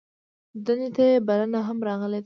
دندې ته یې بلنه هم راغلې ده.